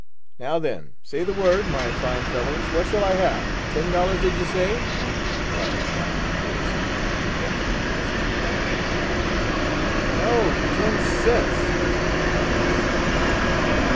Now, then, say the word, my fine fellows. What shall I have? Ten dollars, did you say?" politely bowing toward some indefinite person in the background. "No; ten cents," responded a voice.